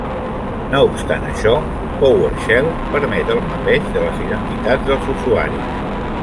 No obstant això, Powershell permet el mapeig de les identitats dels usuaris.